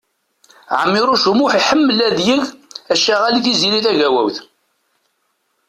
Ɛmiṛuc U Muḥ iḥemmel ad yeg acaɣal i Tiziri Tagawawt.